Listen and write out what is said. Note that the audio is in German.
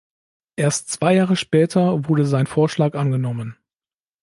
Erst zwei Jahre später wurde sein Vorschlag angenommen.